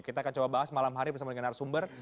kita akan coba bahas malam hari bersama dengan arsumber